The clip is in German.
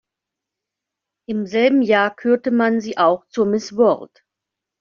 Im selben Jahr kürte man sie auch zur Miss World.